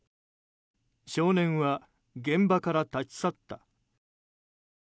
少年は現場から立ち去った。